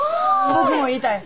僕も言いたい。